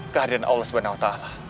kehadiran allah swt